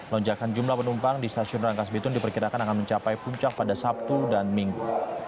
lonjakan jumlah penumpang di stasiun rangkas bitung diperkirakan akan mencapai puncak pada sabtu dan minggu